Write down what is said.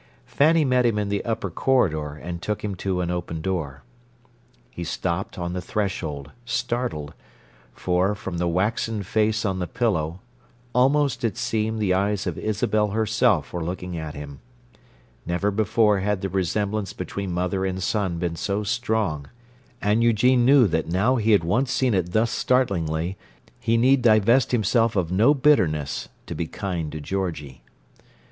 Fanny met him in the upper corridor, and took him to an open door. He stopped on the threshold, startled; for, from the waxen face on the pillow, almost it seemed the eyes of Isabel herself were looking at him: never before had the resemblance between mother and son been so strong—and Eugene knew that now he had once seen it thus startlingly, he need divest himself of no bitterness "to be kind" to Georgie.